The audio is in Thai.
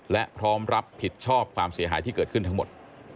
และพร้อมรับผิดชอบความเสียหายที่เกิดขึ้นทั้งหมด